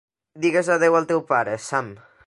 Digues adéu al teu pare, Sam.